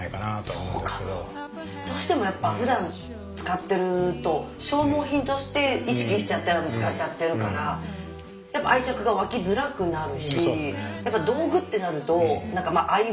そうかどうしてもやっぱふだん使ってると消耗品として意識しちゃって使っちゃってるからやっぱ愛着が湧きづらくなるし仲間というか。